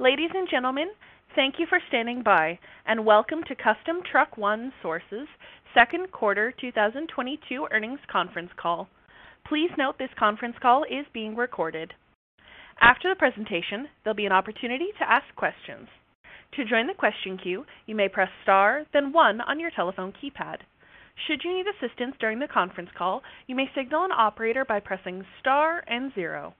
Ladies and gentlemen, thank you for standing by, and welcome to Custom Truck One Source's Second Quarter 2022 Earnings Conference Call. Please note this conference call is being recorded. After the presentation, there'll be an opportunity to ask questions. To join the question queue, you may press star, then 1 on your telephone keypad. Should you need assistance during the conference call, you may signal an operator by pressing star and 0.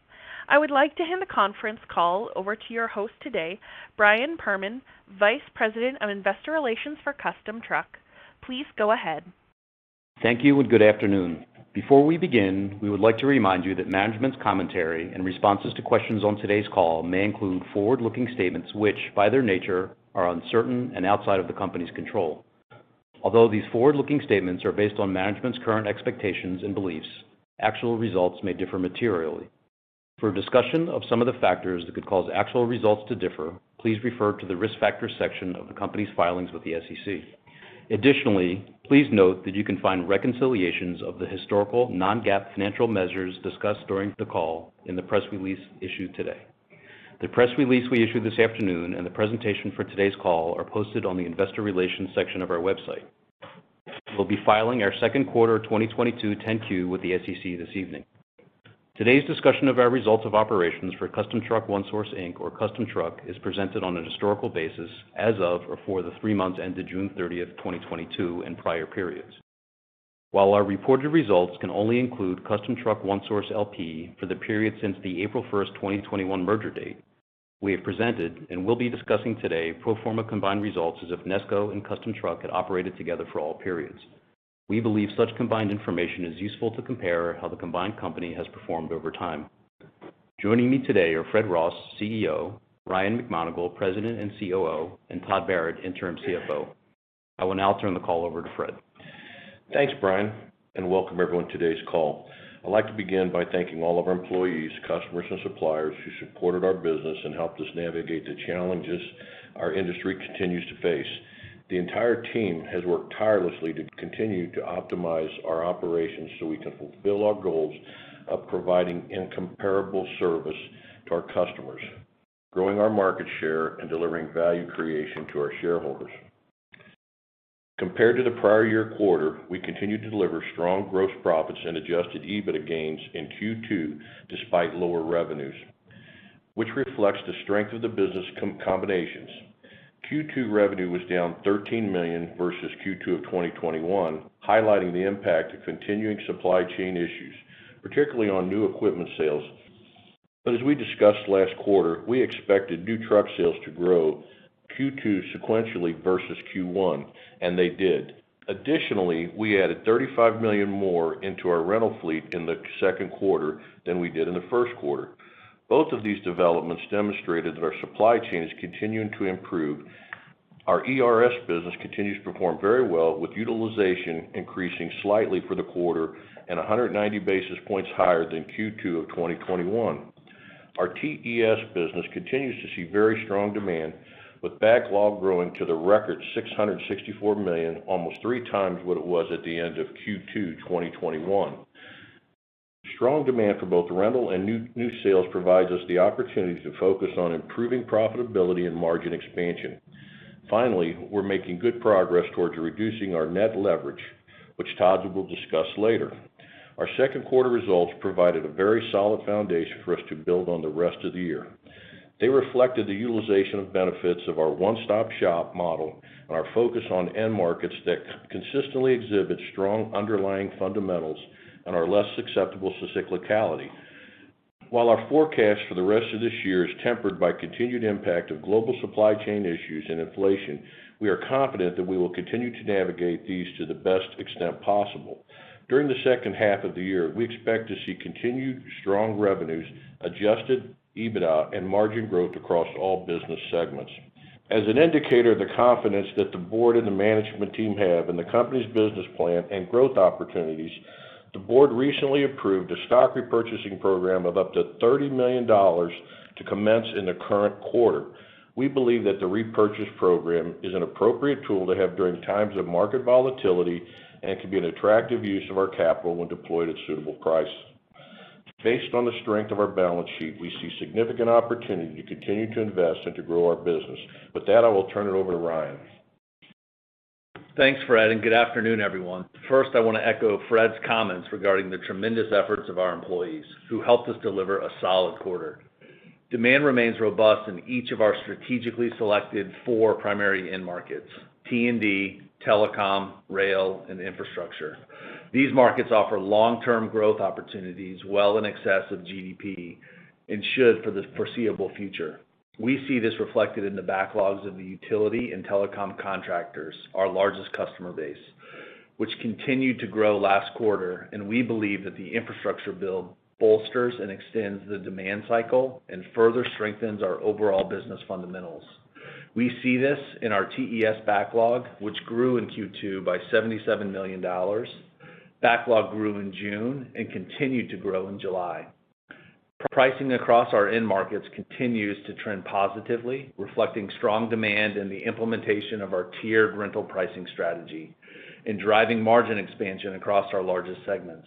I would like to hand the conference call over to your host today, Brian Perman, Vice President of Investor Relations for Custom Truck. Please go ahead. Thank you, and good afternoon. Before we begin, we would like to remind you that management's commentary and responses to questions on today's call may include forward-looking statements which, by their nature, are uncertain and outside of the company's control. Although these forward-looking statements are based on management's current expectations and beliefs, actual results may differ materially. For a discussion of some of the factors that could cause actual results to differ, please refer to the Risk Factors section of the company's filings with the SEC. Additionally, please note that you can find reconciliations of the historical non-GAAP financial measures discussed during the call in the press release issued today. The press release we issued this afternoon and the presentation for today's call are posted on the Investor Relations section of our website. We'll be filing our second quarter 2022 10-Q with the SEC this evening. Today's discussion of our results of operations for Custom Truck One Source, Inc. or Custom Truck is presented on a historical basis as of or for the three months ended June 30, 2022 in prior periods. While our reported results can only include Custom Truck One Source LP for the period since the April 1, 2021 merger date, we have presented and will be discussing today pro forma combined results as if Nesco and Custom Truck had operated together for all periods. We believe such combined information is useful to compare how the combined company has performed over time. Joining me today are Fred Ross, CEO, Ryan McMonagle, President and COO, and Todd Barrett, Interim CFO. I will now turn the call over to Fred. Thanks, Brian, and welcome everyone to today's call. I'd like to begin by thanking all of our employees, customers, and suppliers who supported our business and helped us navigate the challenges our industry continues to face. The entire team has worked tirelessly to continue to optimize our operations so we can fulfill our goals of providing incomparable service to our customers, growing our market share, and delivering value creation to our shareholders. Compared to the prior year quarter, we continued to deliver strong gross profits and adjusted EBITDA gains in Q2 despite lower revenues, which reflects the strength of the business combinations. Q2 revenue was down $13 million versus Q2 of 2021, highlighting the impact of continuing supply chain issues, particularly on new equipment sales. As we discussed last quarter, we expected new truck sales to grow Q2 sequentially versus Q1, and they did. Additionally, we added $35 million more into our rental fleet in the second quarter than we did in the first quarter. Both of these developments demonstrated that our supply chain is continuing to improve. Our ERS business continues to perform very well with utilization increasing slightly for the quarter and 190 basis points higher than Q2 of 2021. Our TES business continues to see very strong demand with backlog growing to the record $664 million, almost three times what it was at the end of Q2 2021. Strong demand for both rental and new sales provides us the opportunity to focus on improving profitability and margin expansion. Finally, we're making good progress towards reducing our net leverage, which Todd will discuss later. Our second quarter results provided a very solid foundation for us to build on the rest of the year. They reflected the utilization of benefits of our one-stop-shop model and our focus on end markets that consistently exhibit strong underlying fundamentals and are less susceptible to cyclicality. While our forecast for the rest of this year is tempered by continued impact of global supply chain issues and inflation, we are confident that we will continue to navigate these to the best extent possible. During the second half of the year, we expect to see continued strong revenues, adjusted EBITDA, and margin growth across all business segments. As an indicator of the confidence that the board and the management team have in the company's business plan and growth opportunities, the board recently approved a stock repurchasing program of up to $30 million to commence in the current quarter. We believe that the repurchase program is an appropriate tool to have during times of market volatility and can be an attractive use of our capital when deployed at suitable prices. Based on the strength of our balance sheet, we see significant opportunity to continue to invest and to grow our business. With that, I will turn it over to Ryan. Thanks, Fred, and good afternoon, everyone. First, I want to echo Fred's comments regarding the tremendous efforts of our employees who helped us deliver a solid quarter. Demand remains robust in each of our strategically selected four primary end markets, T&D, telecom, rail, and infrastructure. These markets offer long-term growth opportunities well in excess of GDP and should for the foreseeable future. We see this reflected in the backlogs of the utility and telecom contractors, our largest customer base, which continued to grow last quarter, and we believe that the infrastructure build bolsters and extends the demand cycle and further strengthens our overall business fundamentals. We see this in our TES backlog, which grew in Q2 by $77 million. Backlog grew in June and continued to grow in July. Pricing across our end markets continues to trend positively, reflecting strong demand in the implementation of our tiered rental pricing strategy and driving margin expansion across our largest segments.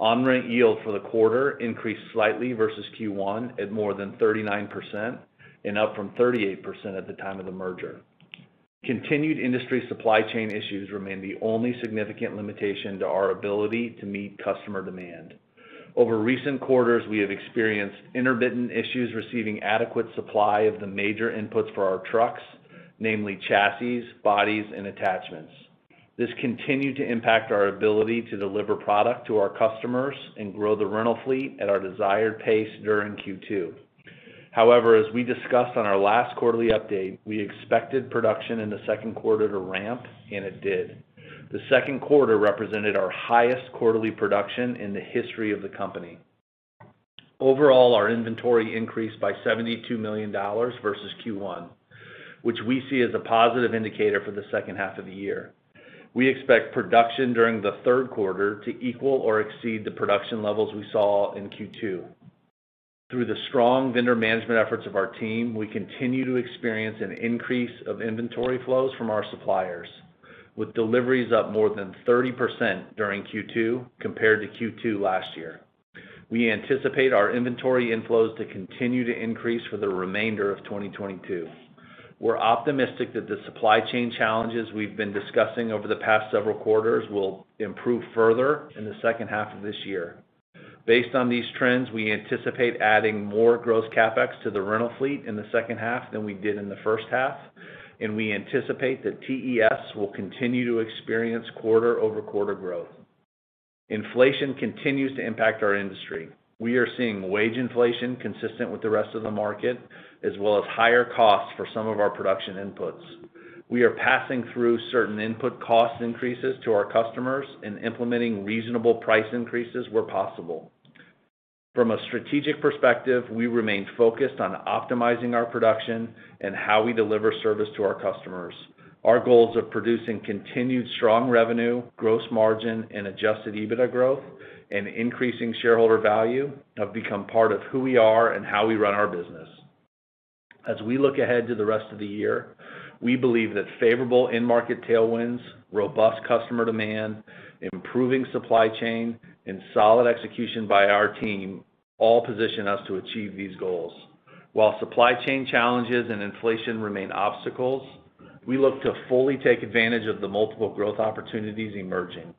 On-rent yield for the quarter increased slightly versus Q1 at more than 39% and up from 38% at the time of the merger. Continued industry supply chain issues remain the only significant limitation to our ability to meet customer demand. Over recent quarters, we have experienced intermittent issues receiving adequate supply of the major inputs for our trucks, namely chassis, bodies, and attachments. This continued to impact our ability to deliver product to our customers and grow the rental fleet at our desired pace during Q2. However, as we discussed on our last quarterly update, we expected production in the second quarter to ramp, and it did. The second quarter represented our highest quarterly production in the history of the company. Overall, our inventory increased by $72 million versus Q1, which we see as a positive indicator for the second half of the year. We expect production during the third quarter to equal or exceed the production levels we saw in Q2. Through the strong vendor management efforts of our team, we continue to experience an increase of inventory flows from our suppliers, with deliveries up more than 30% during Q2 compared to Q2 last year. We anticipate our inventory inflows to continue to increase for the remainder of 2022. We're optimistic that the supply chain challenges we've been discussing over the past several quarters will improve further in the second half of this year. Based on these trends, we anticipate adding more gross CapEx to the rental fleet in the second half than we did in the first half, and we anticipate that TES will continue to experience quarter-over-quarter growth. Inflation continues to impact our industry. We are seeing wage inflation consistent with the rest of the market, as well as higher costs for some of our production inputs. We are passing through certain input cost increases to our customers and implementing reasonable price increases where possible. From a strategic perspective, we remain focused on optimizing our production and how we deliver service to our customers. Our goals of producing continued strong revenue, gross margin, and adjusted EBITDA growth and increasing shareholder value have become part of who we are and how we run our business. As we look ahead to the rest of the year, we believe that favorable end market tailwinds, robust customer demand, improving supply chain, and solid execution by our team all position us to achieve these goals. While supply chain challenges and inflation remain obstacles, we look to fully take advantage of the multiple growth opportunities emerging.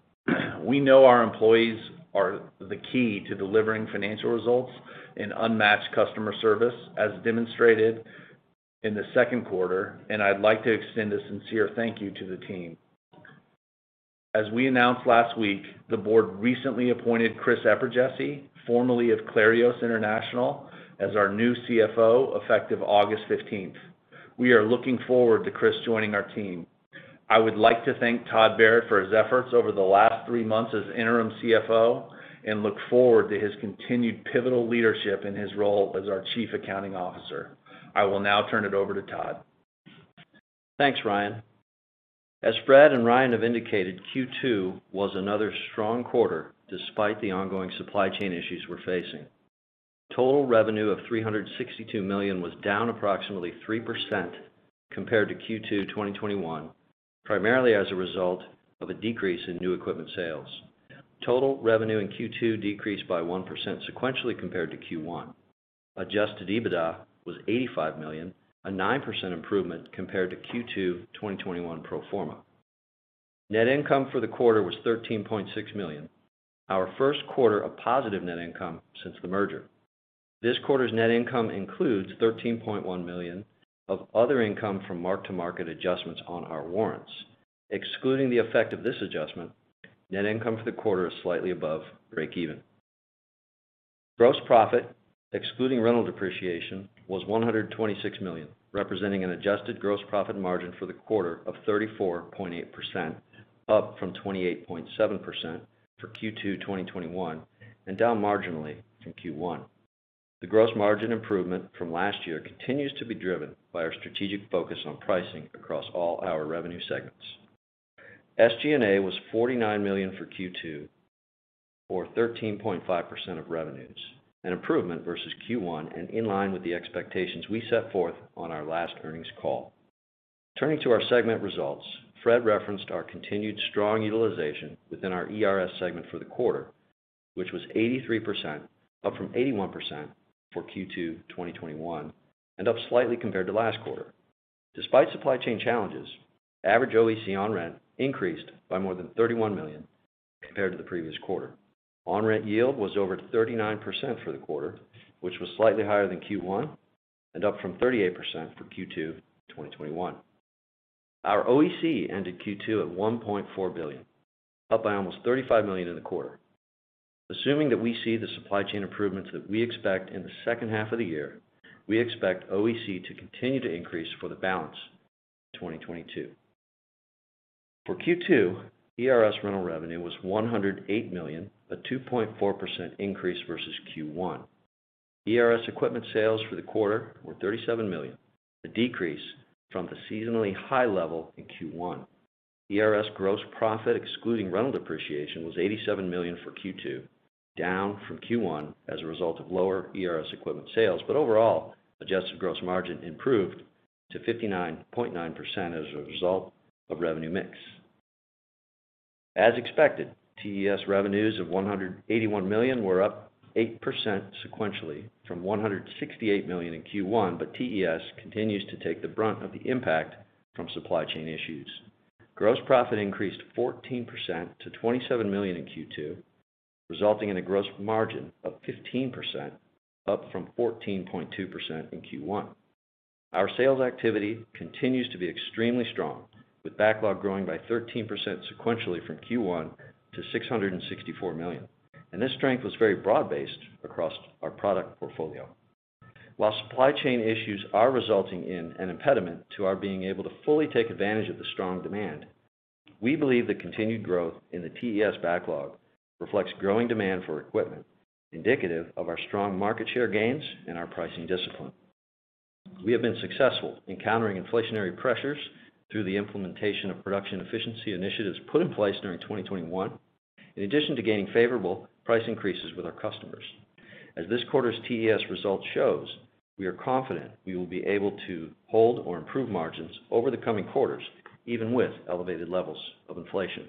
We know our employees are the key to delivering financial results and unmatched customer service as demonstrated in the second quarter, and I'd like to extend a sincere thank you to the team. As we announced last week, the board recently appointed Chris Eperjesy, formerly of Clarios International, as our new CFO effective August 15th. We are looking forward to Chris joining our team. I would like to thank Todd Barrett for his efforts over the last three months as interim CFO and look forward to his continued pivotal leadership in his role as our Chief Accounting Officer. I will now turn it over to Todd. Thanks, Ryan. As Fred and Ryan have indicated, Q2 was another strong quarter despite the ongoing supply chain issues we're facing. Total revenue of $362 million was down approximately 3% compared to Q2 2021, primarily as a result of a decrease in new equipment sales. Total revenue in Q2 decreased by 1% sequentially compared to Q1. Adjusted EBITDA was $85 million, a 9% improvement compared to Q2 2021 pro forma. Net income for the quarter was $13.6 million, our first quarter of positive net income since the merger. This quarter's net income includes $13.1 million of other income from mark-to-market adjustments on our warrants. Excluding the effect of this adjustment, net income for the quarter is slightly above breakeven. Gross profit, excluding rental depreciation, was $126 million, representing an adjusted gross profit margin for the quarter of 34.8%, up from 28.7% for Q2 2021 and down marginally from Q1. The gross margin improvement from last year continues to be driven by our strategic focus on pricing across all our revenue segments. SG&A was $49 million for Q2 or 13.5% of revenues, an improvement versus Q1 and in line with the expectations we set forth on our last earnings call. Turning to our segment results, Fred referenced our continued strong utilization within our ERS segment for the quarter, which was 83%, up from 81% for Q2 2021 and up slightly compared to last quarter. Despite supply chain challenges, average OEC on rent increased by more than $31 million compared to the previous quarter. On-rent yield was over 39% for the quarter, which was slightly higher than Q1 and up from 38% for Q2 2021. Our OEC ended Q2 at $1.4 billion, up by almost $35 million in the quarter. Assuming that we see the supply chain improvements that we expect in the second half of the year, we expect OEC to continue to increase for the balance of 2022. For Q2, ERS rental revenue was $108 million, a 2.4% increase versus Q1. ERS equipment sales for the quarter were $37 million, a decrease from the seasonally high level in Q1. ERS gross profit, excluding rental depreciation, was $87 million for Q2, down from Q1 as a result of lower ERS equipment sales. Overall, adjusted gross margin improved to 59.9% as a result of revenue mix. As expected, TES revenues of $181 million were up 8% sequentially from $168 million in Q1, but TES continues to take the brunt of the impact from supply chain issues. Gross profit increased 14% to $27 million in Q2, resulting in a gross margin of 15%, up from 14.2% in Q1. Our sales activity continues to be extremely strong, with backlog growing by 13% sequentially from Q1 to $664 million. This strength was very broad-based across our product portfolio. While supply chain issues are resulting in an impediment to our being able to fully take advantage of the strong demand, we believe the continued growth in the TES backlog reflects growing demand for equipment, indicative of our strong market share gains and our pricing discipline. We have been successful in countering inflationary pressures through the implementation of production efficiency initiatives put in place during 2021, in addition to gaining favorable price increases with our customers. As this quarter's TES results shows, we are confident we will be able to hold or improve margins over the coming quarters, even with elevated levels of inflation.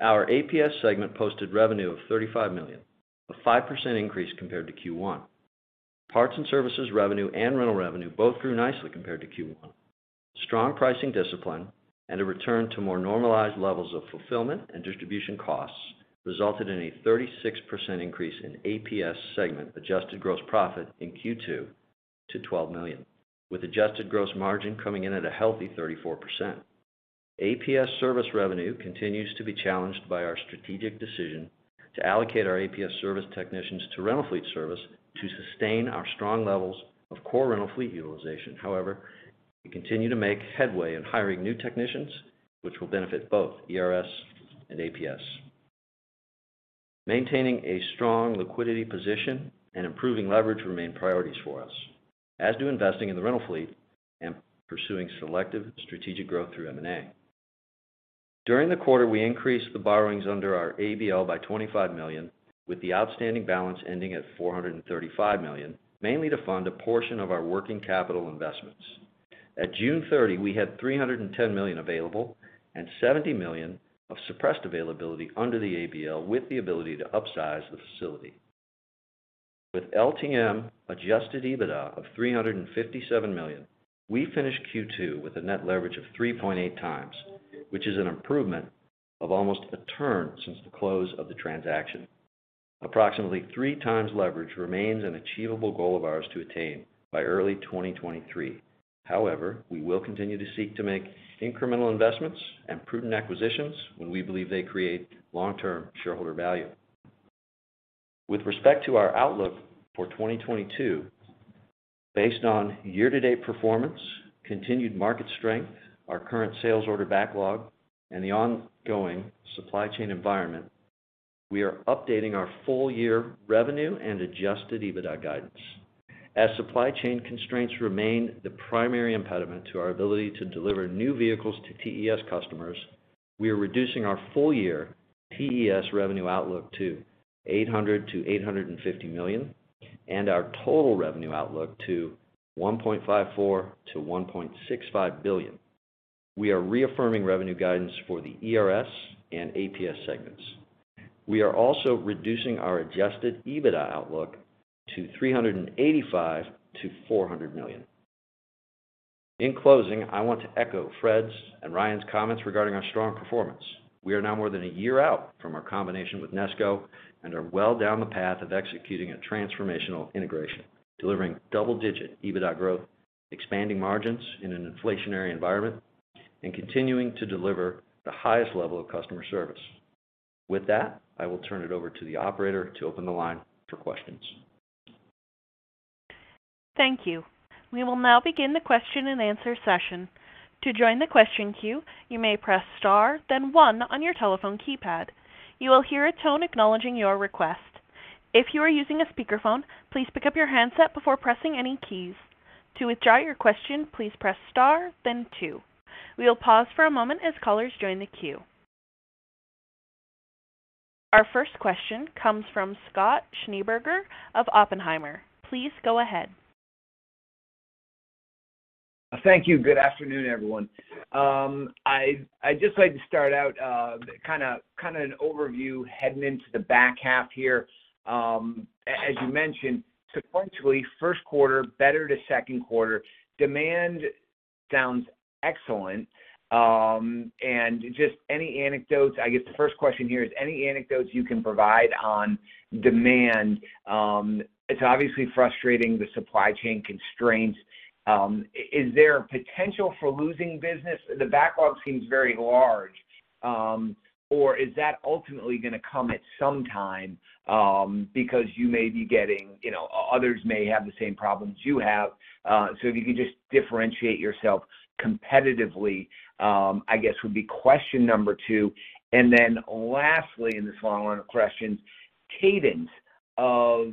Our APS segment posted revenue of $35 million, a 5% increase compared to Q1. Parts and services revenue and rental revenue both grew nicely compared to Q1. Strong pricing discipline and a return to more normalized levels of fulfillment and distribution costs resulted in a 36% increase in APS segment adjusted gross profit in Q2 to $12 million, with adjusted gross margin coming in at a healthy 34%. APS service revenue continues to be challenged by our strategic decision to allocate our APS service technicians to rental fleet service to sustain our strong levels of core rental fleet utilization. However, we continue to make headway in hiring new technicians, which will benefit both ERS and APS. Maintaining a strong liquidity position and improving leverage remain priorities for us, as do investing in the rental fleet and pursuing selective strategic growth through M&A. During the quarter, we increased the borrowings under our ABL by $25 million, with the outstanding balance ending at $435 million, mainly to fund a portion of our working capital investments. At June 30, we had $310 million available and $70 million of suppressed availability under the ABL, with the ability to upsize the facility. With LTM adjusted EBITDA of $357 million, we finished Q2 with a net leverage of 3.8 times, which is an improvement of almost a turn since the close of the transaction. Approximately 3x leverage remains an achievable goal of ours to attain by early 2023. However, we will continue to seek to make incremental investments and prudent acquisitions when we believe they create long-term shareholder value. With respect to our outlook for 2022, based on year-to-date performance, continued market strength, our current sales order backlog, and the ongoing supply chain environment, we are updating our full year revenue and adjusted EBITDA guidance. As supply chain constraints remain the primary impediment to our ability to deliver new vehicles to TES customers, we are reducing our full-year TES revenue outlook to $800 million-$850 million and our total revenue outlook to $1.54 billion-$1.65 billion. We are reaffirming revenue guidance for the ERS and APS segments. We are also reducing our adjusted EBITDA outlook to $385 million-$400 million. In closing, I want to echo Fred's and Ryan's comments regarding our strong performance. We are now more than a year out from our combination with Nesco and are well down the path of executing a transformational integration, delivering double-digit EBITDA growth, expanding margins in an inflationary environment, and continuing to deliver the highest level of customer service. With that, I will turn it over to the operator to open the line for questions. Thank you. We will now begin the question and answer session. To join the question queue, you may press star then one on your telephone keypad. You will hear a tone acknowledging your request. If you are using a speakerphone, please pick up your handset before pressing any keys. To withdraw your question, please press star then two. We will pause for a moment as callers join the queue. Our first question comes from Scott Schneeberger of Oppenheimer. Please go ahead. Thank you. Good afternoon, everyone. I'd just like to start out, kinda an overview heading into the back half here. As you mentioned, sequentially, first quarter better to second quarter, demand sounds excellent. Just any anecdotes, I guess the first question here is any anecdotes you can provide on demand. It's obviously frustrating the supply chain constraints. Is there potential for losing business? The backlog seems very large. Or is that ultimately gonna come at some time, because you may be getting, you know, others may have the same problems you have. If you could just differentiate yourself competitively, I guess would be question number two. Then lastly in this long line of questions, cadence of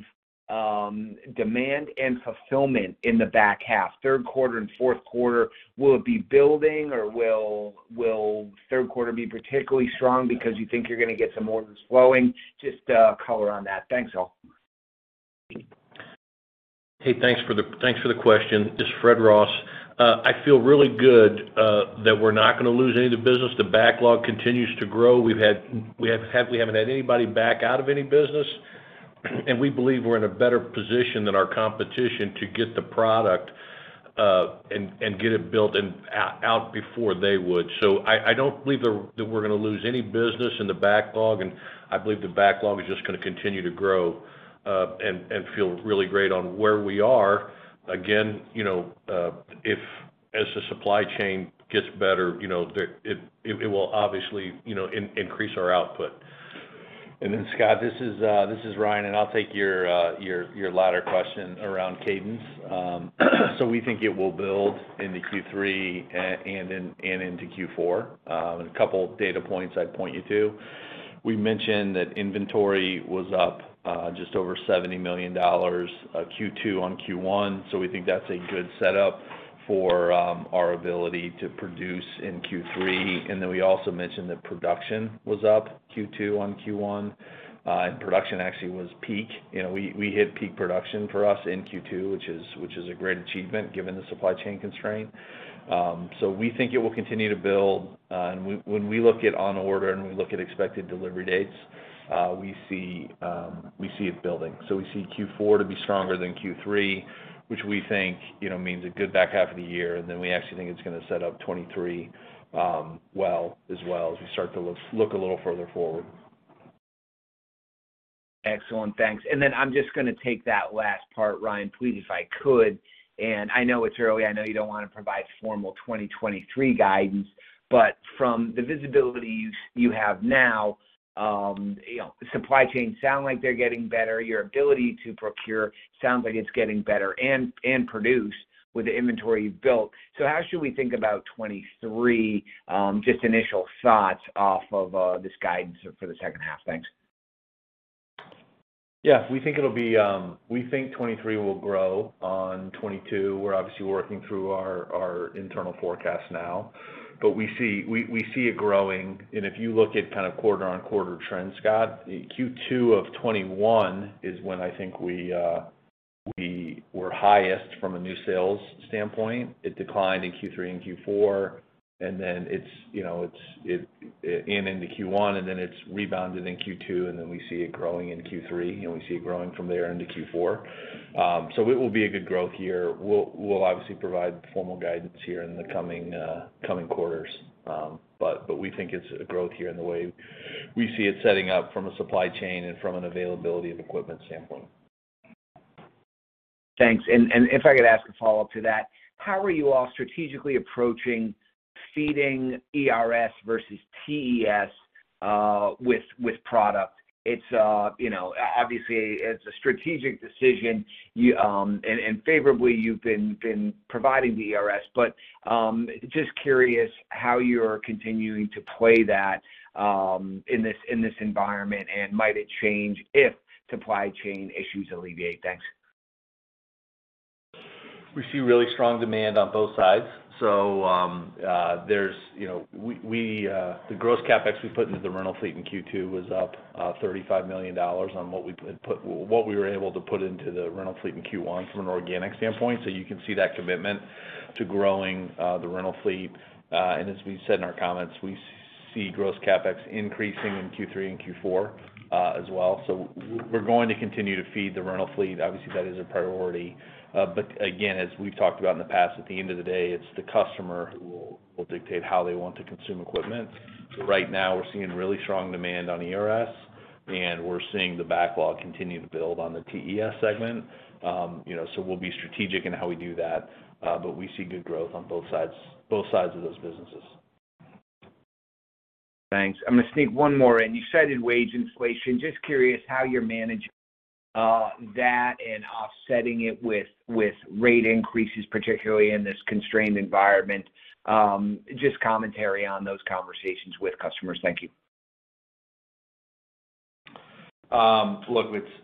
demand and fulfillment in the back half, third quarter and fourth quarter. Will it be building or will third quarter be particularly strong because you think you're gonna get some orders flowing? Just, color on that. Thanks, all. Hey, thanks for the question. This is Fred Ross. I feel really good that we're not gonna lose any of the business. The backlog continues to grow. We haven't had anybody back out of any business, and we believe we're in a better position than our competition to get the product and get it built and out before they would. I don't believe that we're gonna lose any business in the backlog, and I believe the backlog is just gonna continue to grow and feel really great on where we are. Again, you know, as the supply chain gets better, you know, it will obviously, you know, increase our output. Scott, this is Ryan, and I'll take your latter question around cadence. We think it will build into Q3 and into Q4. A couple data points I'd point you to. We mentioned that inventory was up just over $70 million Q2 on Q1, so we think that's a good setup for our ability to produce in Q3. We also mentioned that production was up Q2 on Q1. Production actually was peak. You know, we hit peak production for us in Q2, which is a great achievement given the supply chain constraint. We think it will continue to build, and when we look at on order and we look at expected delivery dates, we see it building. We see Q4 to be stronger than Q3, which we think, you know, means a good back half of the year. We actually think it's gonna set up 2023, well as well as we start to look a little further forward. Excellent. Thanks. I'm just gonna take that last part, Ryan, please, if I could. I know it's early, I know you don't wanna provide formal 2023 guidance, but from the visibility you have now, you know, supply chains sound like they're getting better, your ability to procure sounds like it's getting better and produce with the inventory you've built. How should we think about 2023? Just initial thoughts off of this guidance for the second half. Thanks. Yeah. We think it'll be 2023 will grow on 2022. We're obviously working through our internal forecast now. We see it growing. If you look at kind of quarter-on-quarter trends, Scott, Q2 of 2021 is when I think we were highest from a new sales standpoint. It declined in Q3 and Q4, and then it, you know, and into Q1, and then it rebounded in Q2, and then we see it growing in Q3, and we see it growing from there into Q4. It will be a good growth year. We'll obviously provide formal guidance here in the coming quarters. We think it's a growth year in the way we see it setting up from a supply chain and from an availability of equipment standpoint. Thanks. If I could ask a follow-up to that, how are you all strategically approaching feeding ERS versus TES with product? It's obviously a strategic decision. Favorably, you've been providing the ERS. Just curious how you're continuing to play that in this environment, and might it change if supply chain issues alleviate. Thanks. We see really strong demand on both sides. There's you know the gross CapEx we put into the rental fleet in Q2 was up $35 million on what we were able to put into the rental fleet in Q1 from an organic standpoint. You can see that commitment to growing the rental fleet. As we said in our comments, we see gross CapEx increasing in Q3 and Q4 as well. We're going to continue to feed the rental fleet. Obviously, that is a priority. But again, as we've talked about in the past, at the end of the day, it's the customer who will dictate how they want to consume equipment. Right now we're seeing really strong demand on ERS, and we're seeing the backlog continue to build on the TES segment. You know, we'll be strategic in how we do that, but we see good growth on both sides, both sides of those businesses. Thanks. I'm gonna sneak one more in. You cited wage inflation. Just curious how you're managing that and offsetting it with rate increases, particularly in this constrained environment. Just commentary on those conversations with customers. Thank you.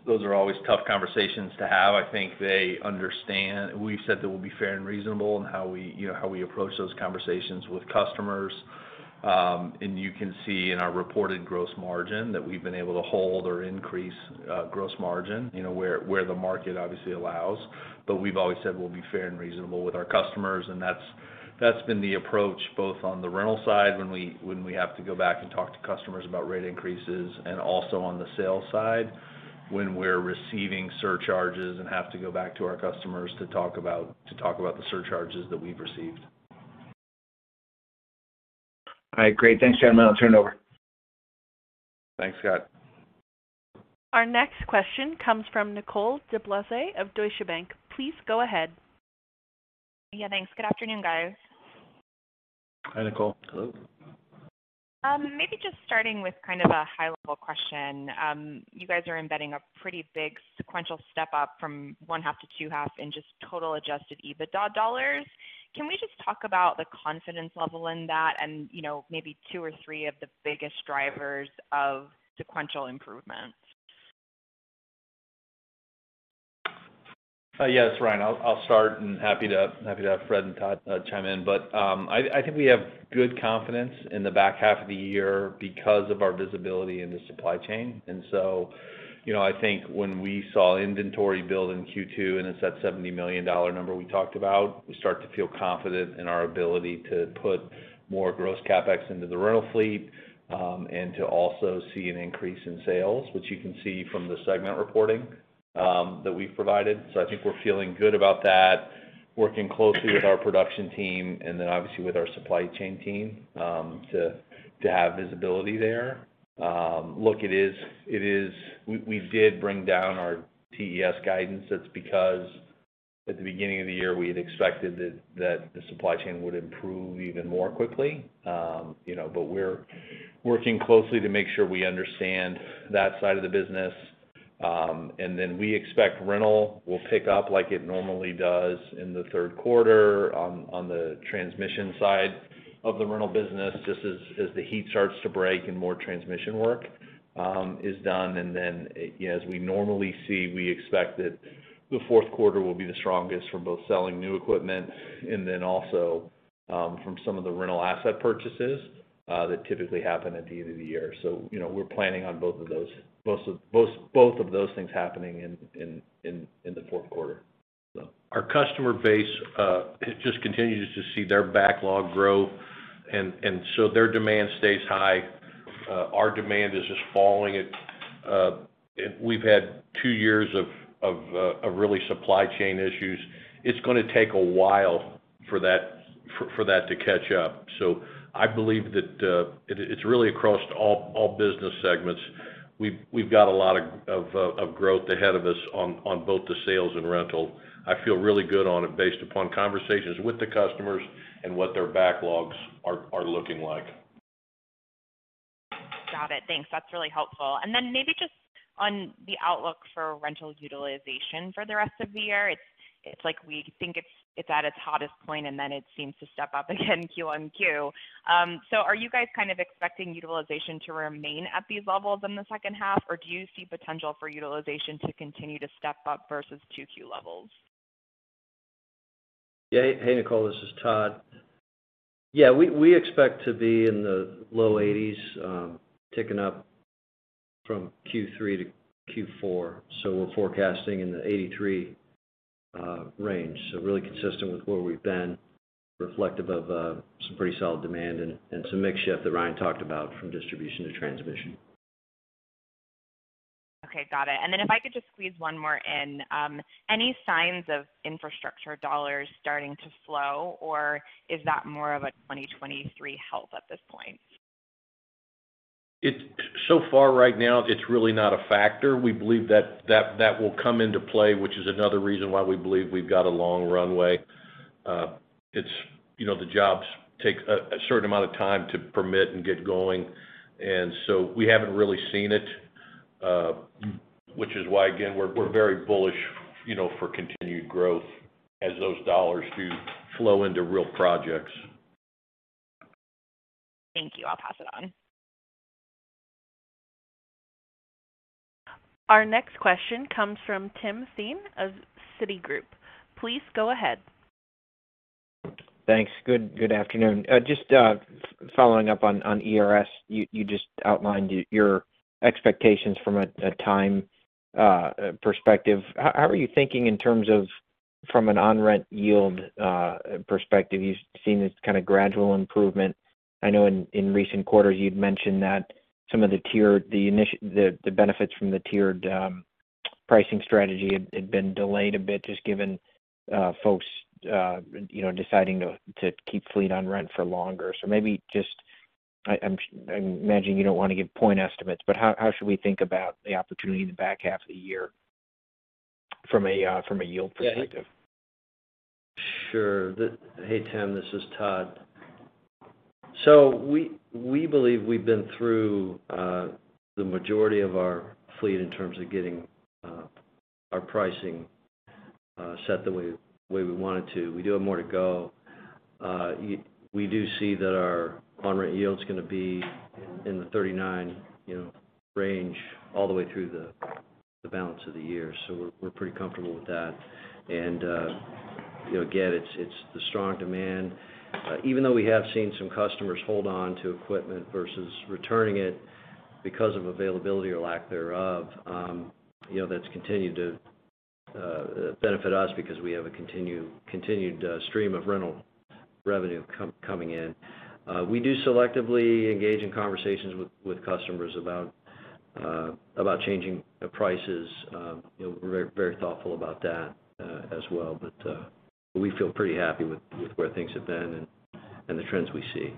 Those are always tough conversations to have. I think they understand. We've said that we'll be fair and reasonable in how we, you know, how we approach those conversations with customers. You can see in our reported gross margin that we've been able to hold or increase gross margin, you know, where the market obviously allows. We've always said we'll be fair and reasonable with our customers, and that's the approach both on the rental side when we have to go back and talk to customers about rate increases and also on the sales side when we're receiving surcharges and have to go back to our customers to talk about the surcharges that we've received. All right. Great. Thanks, gentlemen. I'll turn it over. Thanks, Scott. Our next question comes from Nicole DeBlase of Deutsche Bank. Please go ahead. Yeah, thanks. Good afternoon, guys. Hi, Nicole. Hello. Maybe just starting with kind of a high-level question. You guys are embedding a pretty big sequential step up from first half to second half in just total adjusted EBITDA dollars. Can we just talk about the confidence level in that and, you know, maybe two or three of the biggest drivers of sequential improvements? Yes, Ryan, I'll start and happy to have Fred and Todd chime in. I think we have good confidence in the back half of the year because of our visibility in the supply chain. You know, I think when we saw inventory build in Q2, and it's that $70 million number we talked about, we start to feel confident in our ability to put more gross CapEx into the rental fleet and to also see an increase in sales, which you can see from the segment reporting that we've provided. I think we're feeling good about that, working closely with our production team and then obviously with our supply chain team to have visibility there. Look, it is. We did bring down our TES guidance. That's because at the beginning of the year, we had expected that the supply chain would improve even more quickly. You know, we're working closely to make sure we understand that side of the business. We expect rental will pick up like it normally does in the third quarter on the transmission side of the rental business, just as the heat starts to break and more transmission work is done. As we normally see, we expect that the fourth quarter will be the strongest from both selling new equipment and then also from some of the rental asset purchases that typically happen at the end of the year. You know, we're planning on both of those things happening in the fourth quarter. Our customer base it just continues to see their backlog grow and so their demand stays high. Our demand is just falling. We've had two years of really supply chain issues. It's gonna take a while for that to catch up. I believe that it's really across all business segments. We've got a lot of growth ahead of us on both the sales and rental. I feel really good on it based upon conversations with the customers and what their backlogs are looking like. Got it. Thanks. That's really helpful. Maybe just on the outlook for rental utilization for the rest of the year. It's like we think it's at its hottest point, and then it seems to step up again Q on Q. So are you guys kind of expecting utilization to remain at these levels in the second half, or do you see potential for utilization to continue to step up versus 2Q levels? Yeah. Hey, Nicole, this is Todd. Yeah, we expect to be in the low 80s%, ticking up from Q3 to Q4. We're forecasting in the 83% range. Really consistent with where we've been reflective of some pretty solid demand and some mix shift that Ryan talked about from distribution to transmission. Okay. Got it. If I could just squeeze one more in. Any signs of infrastructure dollars starting to flow, or is that more of a 2023 help at this point? So far right now, it's really not a factor. We believe that will come into play, which is another reason why we believe we've got a long runway. It's, you know, the jobs take a certain amount of time to permit and get going, and so we haven't really seen it, which is why, again, we're very bullish, you know, for continued growth as those dollars do flow into real projects. Thank you. I'll pass it on. Our next question comes from Tim Thein of Citigroup. Please go ahead. Thanks. Good afternoon. Just following up on ERS. You just outlined your expectations from a time perspective. How are you thinking in terms of from an on-rent yield perspective? You've seen this kinda gradual improvement. I know in recent quarters, you'd mentioned that some of the benefits from the tiered pricing strategy had been delayed a bit just given folks you know deciding to keep fleet on rent for longer. So maybe just, I'm imagining you don't wanna give point estimates, but how should we think about the opportunity in the back half of the year from a yield perspective? Yeah. Sure. Hey, Tim, this is Todd. We believe we've been through the majority of our fleet in terms of getting our pricing set the way we wanted to. We do have more to go. We do see that our on-rent yield's gonna be in the 39% range all the way through the balance of the year. We're pretty comfortable with that. You know, again, it's the strong demand. Even though we have seen some customers hold on to equipment versus returning it because of availability or lack thereof, you know, that's continued to benefit us because we have a continued stream of rental revenue coming in. We do selectively engage in conversations with customers about changing the prices. You know, we're very thoughtful about that, as well. We feel pretty happy with where things have been and the trends we see.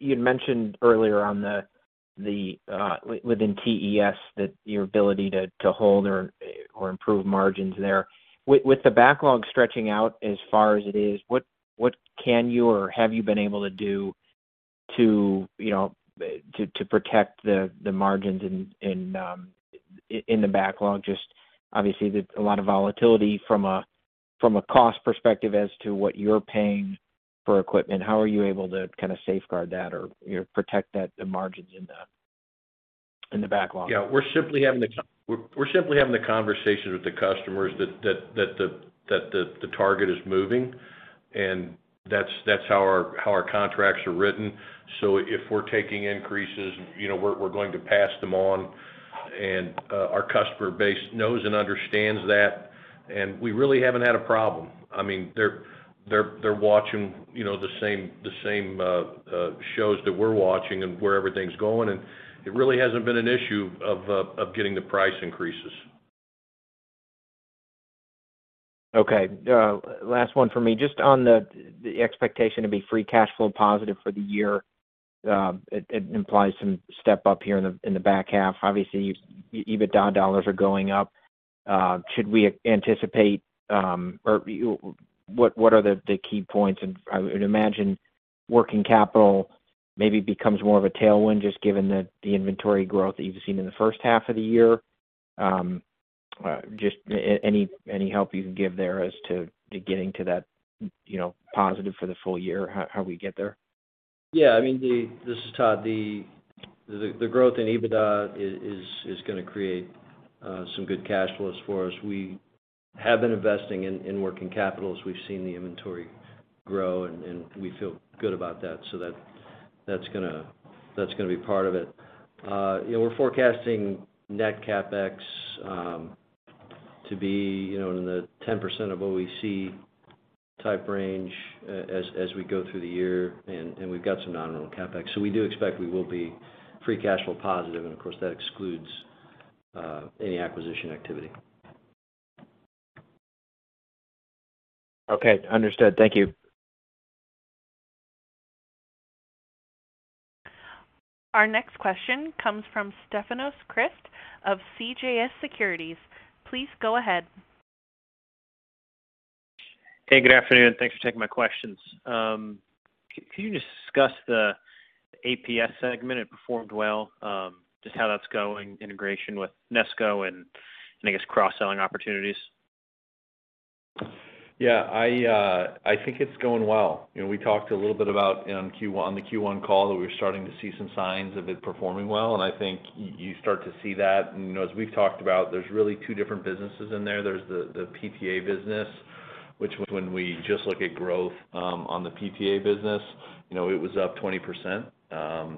You'd mentioned earlier on the within TES that your ability to hold or improve margins there. With the backlog stretching out as far as it is, what can you or have you been able to do to, you know, to protect the margins in the backlog? Just obviously, a lot of volatility from a cost perspective as to what you're paying for equipment, how are you able to kind of safeguard that or, you know, protect that, the margins in the backlog? Yeah. We're simply having the conversations with the customers that the target is moving, and that's how our contracts are written. So if we're taking increases, you know, we're going to pass them on. Our customer base knows and understands that, and we really haven't had a problem. I mean, they're watching, you know, the same shows that we're watching and where everything's going, and it really hasn't been an issue of getting the price increases. Okay. Last one for me. Just on the expectation to be free cash flow positive for the year, it implies some step up here in the back half. Obviously, EBITDA dollars are going up. Should we anticipate? Or what are the key points? I would imagine working capital maybe becomes more of a tailwind, just given the inventory growth that you've seen in the first half of the year. Just any help you can give there as to getting to that, you know, positive for the full year, how we get there? Yeah. I mean, this is Todd. The growth in EBITDA is gonna create some good cash flows for us. We have been investing in working capital as we've seen the inventory grow, and we feel good about that. So that's gonna be part of it. You know, we're forecasting net CapEx to be, you know, in the 10% of OEC type range, as we go through the year, and we've got some non-OEC CapEx. So we do expect we will be free cash flow positive, and of course, that excludes any acquisition activity. Okay. Understood. Thank you. Our next question comes from Stefanos Crist of CJS Securities. Please go ahead. Hey, good afternoon. Thanks for taking my questions. Can you just discuss the APS segment? It performed well. Just how that's going, integration with Nesco and I guess cross-selling opportunities. Yeah. I think it's going well. You know, we talked a little bit about in Q1 on the Q1 call that we're starting to see some signs of it performing well, and I think you start to see that. You know, as we've talked about, there's really two different businesses in there. There's the PPA business, which when we just look at growth on the PPA business, you know, it was up 20%.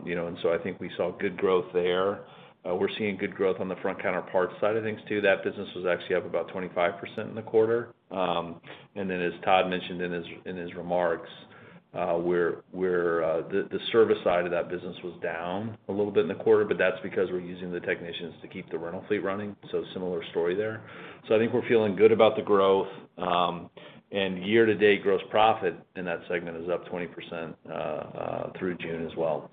You know, I think we saw good growth there. We're seeing good growth on the front counter parts side of things too. That business was actually up about 25% in the quarter. Then as Todd mentioned in his remarks, where the service side of that business was down a little bit in the quarter, but that's because we're using the technicians to keep the rental fleet running, so similar story there. I think we're feeling good about the growth, and year-to-date gross profit in that segment is up 20% through June as well.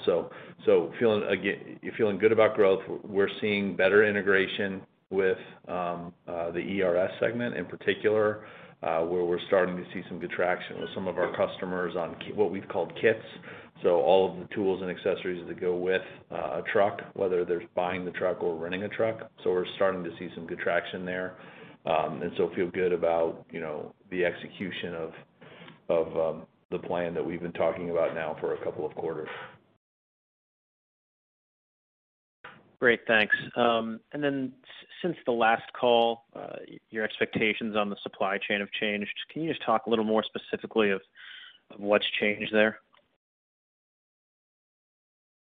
Feeling good about growth. We're seeing better integration with the ERS segment in particular, where we're starting to see some good traction with some of our customers on what we've called kits. All of the tools and accessories that go with a truck, whether they're buying the truck or renting a truck. We're starting to see some good traction there, and so feel good about, you know, the execution of the plan that we've been talking about now for a couple of quarters. Great. Thanks. Since the last call, your expectations on the supply chain have changed. Can you just talk a little more specifically of what's changed there?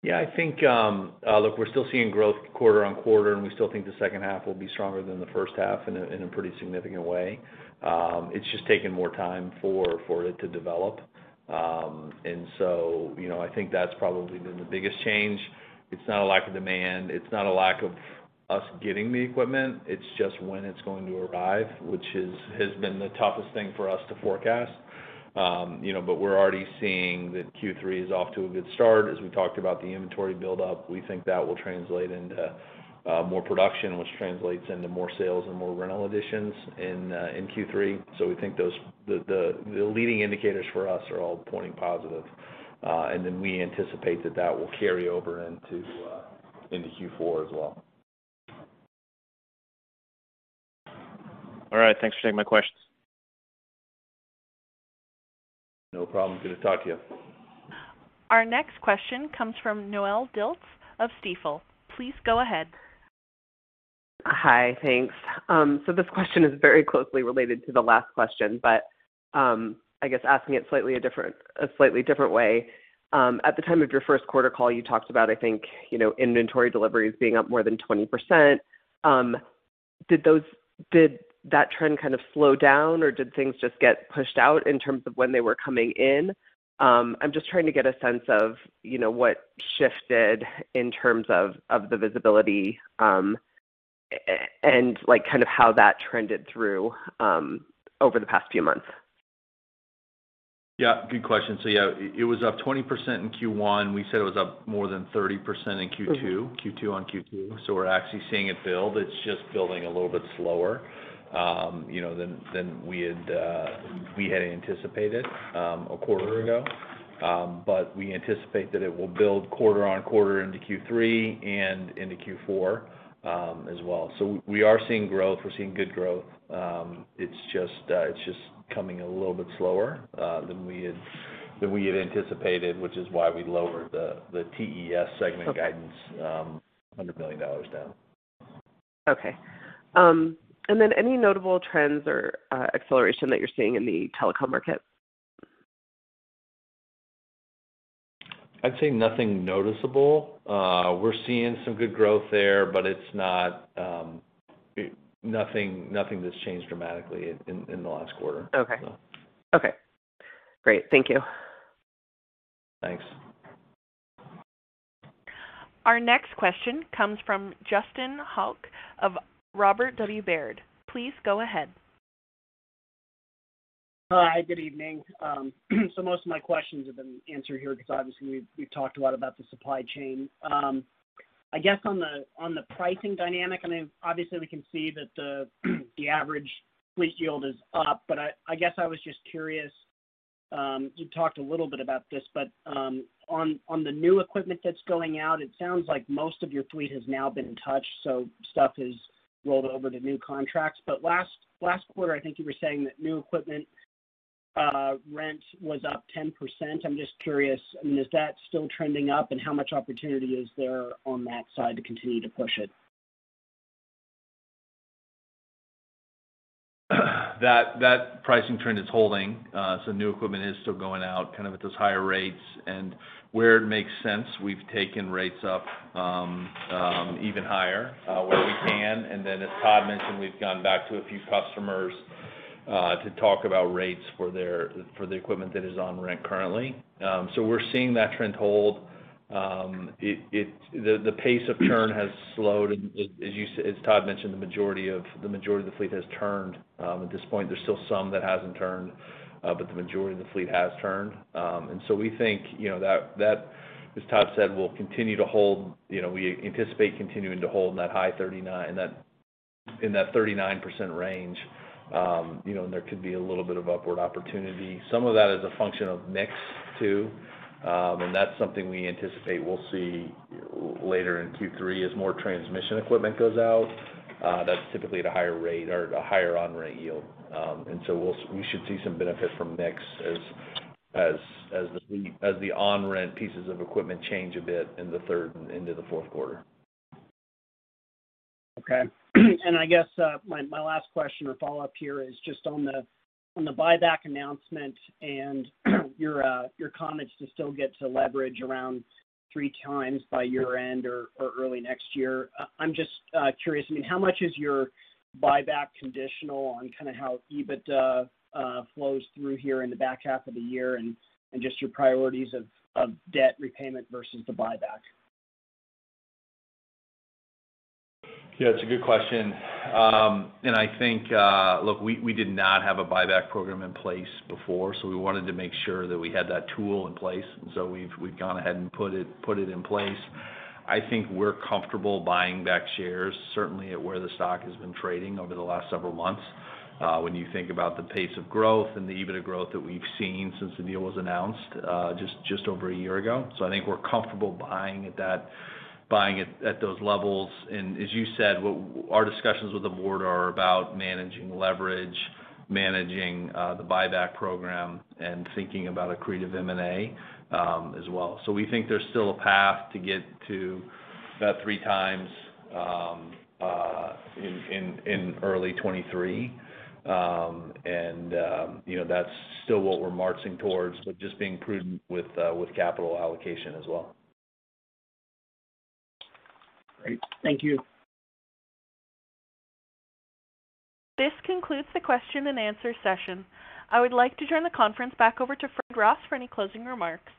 Yeah. I think. Look, we're still seeing growth quarter-over-quarter, and we still think the second half will be stronger than the first half in a pretty significant way. It's just taken more time for it to develop. You know, I think that's probably been the biggest change. It's not a lack of demand. It's not a lack of us getting the equipment. It's just when it's going to arrive, which has been the toughest thing for us to forecast. You know, we're already seeing that Q3 is off to a good start. As we talked about the inventory buildup, we think that will translate into more production, which translates into more sales and more rental additions in Q3. We think those. The leading indicators for us are all pointing positive. We anticipate that will carry over into Q4 as well. All right. Thanks for taking my questions. No problem. Good to talk to you. Our next question comes from Noelle Dilts of Stifel. Please go ahead. Hi. Thanks. This question is very closely related to the last question, but I guess asking it slightly a different way. At the time of your first quarter call, you talked about, I think, you know, inventory deliveries being up more than 20%. Did that trend kind of slow down, or did things just get pushed out in terms of when they were coming in? I'm just trying to get a sense of, you know, what shifted in terms of the visibility, and like kind of how that trended through over the past few months. Yeah, good question. Yeah, it was up 20% in Q1. We said it was up more than 30% in Q2. Mm-hmm. Q2 on Q2. We're actually seeing it build. It's just building a little bit slower, you know, than we had anticipated a quarter ago, but we anticipate that it will build quarter on quarter into Q3 and into Q4, as well. We are seeing growth. We're seeing good growth. It's just coming a little bit slower than we had anticipated, which is why we lowered the TES segment guidance. Okay. $100 million down. Okay. Any notable trends or acceleration that you're seeing in the telecom market? I'd say nothing noticeable. We're seeing some good growth there, but it's not nothing that's changed dramatically in the last quarter. Okay. So. Okay. Great. Thank you. Thanks. Our next question comes from Justin Hauke of Robert W. Baird. Please go ahead. Hi, good evening. Most of my questions have been answered here 'cause obviously we've talked a lot about the supply chain. I guess on the pricing dynamic, I mean, obviously we can see that the average fleet yield is up, but I guess I was just curious. You talked a little bit about this, but on the new equipment that's going out, it sounds like most of your fleet has now been touched, so stuff is rolled over to new contracts. Last quarter, I think you were saying that new equipment rent was up 10%. I'm just curious, I mean, is that still trending up, and how much opportunity is there on that side to continue to push it? That pricing trend is holding. New equipment is still going out kind of at those higher rates. Where it makes sense, we've taken rates up even higher where we can. As Todd mentioned, we've gone back to a few customers to talk about rates for the equipment that is on rent currently. We're seeing that trend hold. The pace of churn has slowed, and as Todd mentioned, the majority of the fleet has turned at this point. There's still some that hasn't turned, but the majority of the fleet has turned. We think, you know, that as Todd said, will continue to hold. You know, we anticipate continuing to hold in that high 39% range. You know, there could be a little bit of upward opportunity. Some of that is a function of mix too, and that's something we anticipate we'll see later in Q3 as more transmission equipment goes out, that's typically at a higher rate or at a higher on-rent yield. We should see some benefit from mix as the on-rent pieces of equipment change a bit in the third and into the fourth quarter. Okay. I guess my last question or follow-up here is just on the buyback announcement and your comments to still get to leverage around three times by year-end or early next year. I'm just curious, I mean, how much is your buyback conditional on kinda how EBITDA flows through here in the back half of the year and just your priorities of debt repayment versus the buyback? Yeah, it's a good question. I think, look, we did not have a buyback program in place before, so we wanted to make sure that we had that tool in place. We've gone ahead and put it in place. I think we're comfortable buying back shares, certainly at where the stock has been trading over the last several months, when you think about the pace of growth and the EBITDA growth that we've seen since the deal was announced, just over a year ago. I think we're comfortable buying at those levels. As you said, our discussions with the board are about managing leverage, managing the buyback program and thinking about accretive M&A, as well. We think there's still a path to get to that 3x in early 2023. You know, that's still what we're marching towards, but just being prudent with capital allocation as well. Great. Thank you. This concludes the question and answer session. I would like to turn the conference back over to Fred Ross for any closing remarks.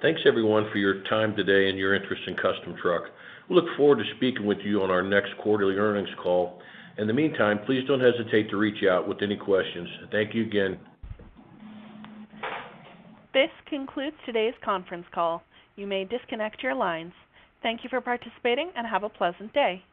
Thanks, everyone, for your time today and your interest in Custom Truck. We look forward to speaking with you on our next quarterly earnings call. In the meantime, please don't hesitate to reach out with any questions. Thank you again. This concludes today's conference call. You may disconnect your lines. Thank you for participating, and have a pleasant day.